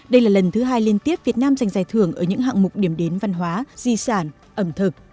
đây là lần thứ hai liên tiếp việt nam giành giải thưởng ở những hạng mục điểm đến văn hóa di sản ẩm thực